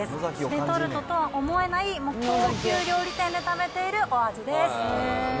レトルトとは思えない、もう高級料理店で食べているお味です。